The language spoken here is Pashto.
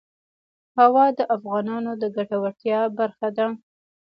هوا د افغانانو د ګټورتیا برخه ده.